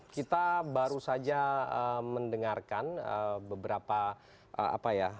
kita baru saja mendengarkan beberapa apa ya